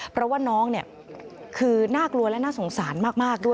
เพราะว่าน้องเนี่ยคือน่ากลัวและน่าสงสารมากด้วย